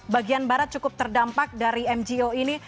bagian barat cukup terdampak dari mgo ini